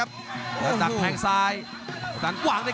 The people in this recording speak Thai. รับทราบบรรดาศักดิ์